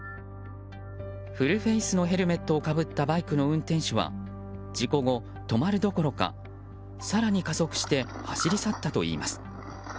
フルフェースのヘルメットをかぶったバイクの運転手は事故後、止まるどころか更に加速して走り去ったといいます。